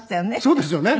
そうですよね。